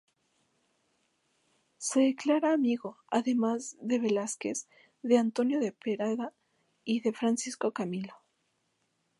Se declara amigo, además de Velázquez, de Antonio de Pereda y de Francisco Camilo.